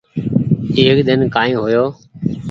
ايڪ ۮن ڪآئي هو يو